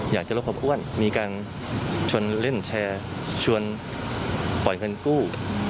อยากจะลดความอ้วนมีการชวนเล่นแชร์ชวนปล่อยเงินกู้